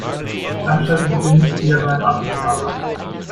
Veranstalte bitte nicht wieder so ein Affentheater.